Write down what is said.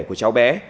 của cháu bé